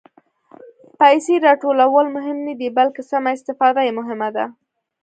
پېسې راټولول مهم نه دي، بلکې سمه استفاده یې مهمه ده.